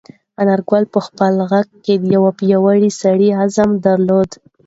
انارګل په خپل غږ کې د یو پیاوړي سړي عزم درلود.